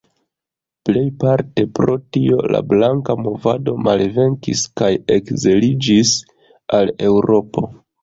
Plejparte pro tio la Blanka movado malvenkis kaj ekziliĝis al Eŭropo.